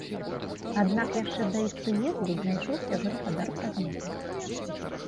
Аднак яшчэ да іх прыезду знайшоўся гаспадар прадмета.